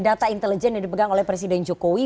data intelijen yang dipegang oleh presiden jokowi